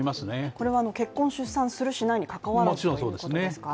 これは結婚・出産する、しないにかかわらずということですね。